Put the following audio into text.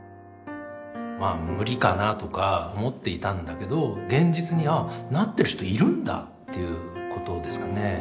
まあ無理かなとか思っていたんだけど現実に「ああなってる人いるんだ」っていうことですかね。